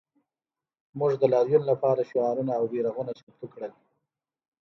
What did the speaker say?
موږ د لاریون لپاره شعارونه او بیرغونه چمتو کړل